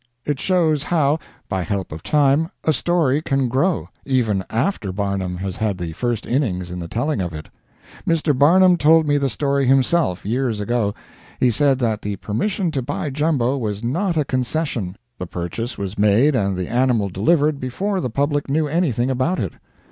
It shows how, by help of time, a story can grow even after Barnum has had the first innings in the telling of it. Mr. Barnum told me the story himself, years ago. He said that the permission to buy Jumbo was not a concession; the purchase was made and the animal delivered before the public knew anything about it.